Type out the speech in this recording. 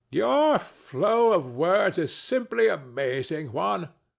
Your flow of words is simply amazing, Juan.